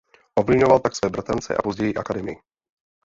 Ovlivňoval tak své bratrance a později i akademii.